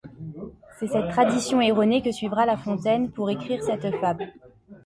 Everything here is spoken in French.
C’est cette tradition erronée que suivra La Fontaine pour écrire cette fable.